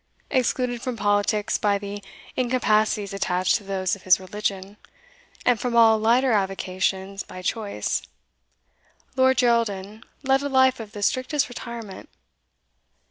Excluded from politics by the incapacities attached to those of his religion, and from all lighter avocationas by choice, Lord Geraldin led a life of the strictest retirement.